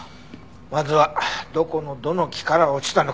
まずはどこのどの木から落ちたのか。